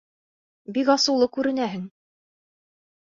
Бик асыулы күренәһең.